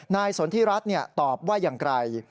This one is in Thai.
นายสนทิรัฐตอบว่าอย่างไกล